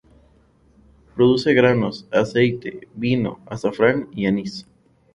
Produce granos, aceite, vino, azafrán y anís.